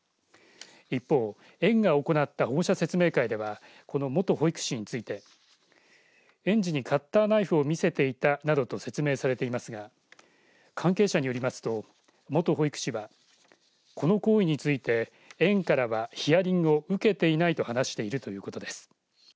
一方、園が行った保護者説明会ではこの元保育士について園児にカッターナイフを見せていたなどと説明されていますが関係者によりますと元保育士は、この行為について園からはヒアリングを受けていないと話しているということです。